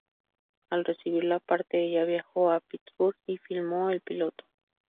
Al recibir la parte ella viajó a Pittsburgh y filmó el piloto.